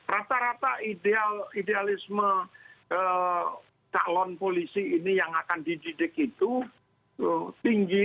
rata rata idealisme calon polisi ini yang akan dididik itu tinggi